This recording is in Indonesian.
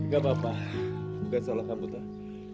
gak apa apa bukan salah kamu toh